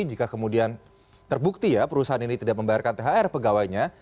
jika kemudian terbukti ya perusahaan ini tidak membayarkan thr pegawainya